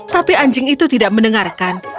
tapi anjing itu tidak mendengarkan